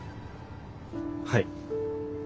はい。